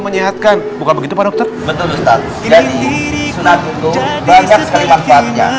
menyehatkan bukan begitu pak dokter betul betul jadi sudah tentu terangkan sekali paksaannya